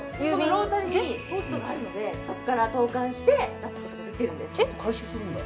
ロータリーにポストがあるのでそっから投函して出すことができるんですちゃんと回収するんだ